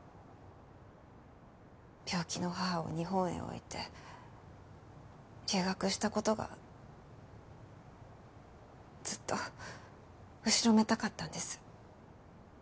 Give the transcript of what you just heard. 病気の母を日本へ置いて留学した事がずっと後ろめたかったんです。